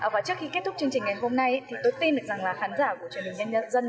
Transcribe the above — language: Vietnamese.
và trước khi kết thúc chương trình ngày hôm nay thì tôi tin được rằng là khán giả của truyền hình nhân dân